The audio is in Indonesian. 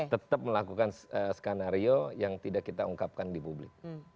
tetap melakukan skenario yang tidak kita ungkapkan di publik